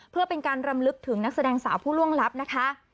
เพื่อเป็นการรำลึกถึงนักแสดงสาวผู้ล่วงลับนะคะ